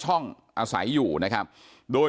ซึ่งไม่ได้เจอกันบ่อย